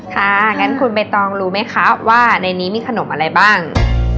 งั้นคุณใบตองรู้ไหมคะว่าในนี้มีขนมอะไรบ้าง